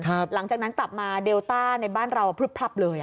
หลังจากนั้นกลับมาเดลต้าในบ้านเราพลึบพลับเลย